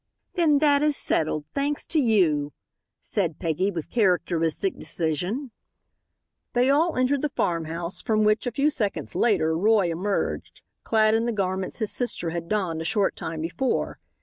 "Then that is settled, thanks to you," said Peggy with characteristic decision. They all entered the farm house, from which, a few seconds later, Roy emerged, clad in the garments his sister had donned a short time before.